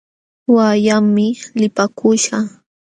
Uqa allaqmi lipaakuśhaq.